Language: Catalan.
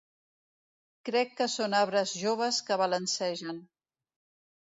Crec que són arbres joves que balancegen.